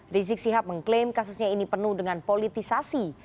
rizik sihab mengklaim kasusnya ini penuh dengan politisasi